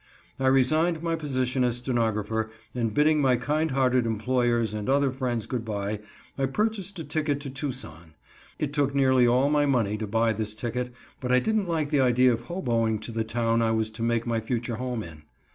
I resigned my position as stenographer, and bidding my kindhearted employers and other friends good bye, I purchased a ticket to Tucson. It took nearly all my money to buy this ticket, but I didn't like the idea of hoboing to the town I was to make my future home in.